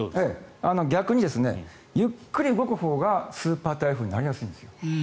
逆にゆっくり動くほうがスーパー台風になりやすいんです。